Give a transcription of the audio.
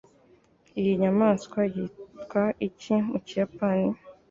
Iyi nyamaswa yitwa iki mu Kiyapani?